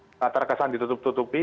tidak terkesan ditutup tutupi